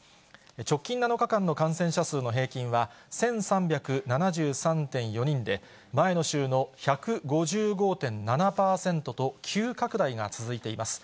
直近７日間の感染者数の平均は１３７３．４人で、前の週の１５５．７％と、急拡大が続いています。